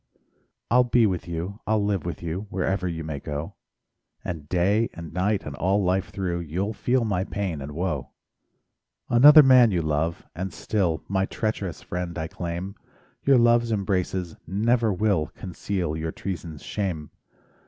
I'll be with you, I'll live with you, Wherever you may go; And day and night, and all life through You'll feel my pain and woe. Another man you love, and still My treacherous friend I claim; Your love's embraces never will Conceal your treason's shame.